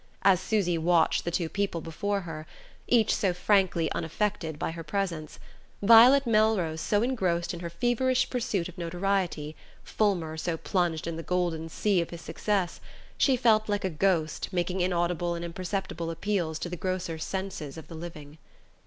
As Susy watched the two people before her, each so frankly unaffected by her presence, Violet Melrose so engrossed in her feverish pursuit of notoriety, Fulmer so plunged in the golden sea of his success, she felt like a ghost making inaudible and imperceptible appeals to the grosser senses of the living.